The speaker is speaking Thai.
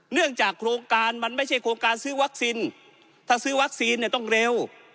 เนื่องจากโครงการมันไม่ใช่โครงการซื้อวัคซีนถ้าซื้อวัคซีนเนี่ยต้องเร็ว